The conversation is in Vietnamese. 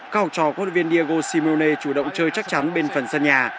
cao trò quân viên diego simone chủ động chơi chắc chắn bên phần sân nhà